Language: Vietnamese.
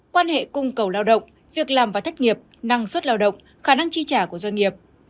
quan hệ cung cầu lao động việc làm và thất nghiệp năng suất lao động khả năng chi trả của doanh nghiệp